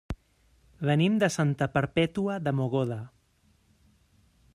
Venim de Santa Perpètua de Mogoda.